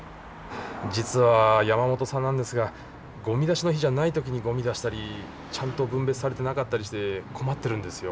実は山本さんなんですがゴミ出しの日じゃない時にゴミ出したりちゃんと分別されてなかったりして困ってるんですよ。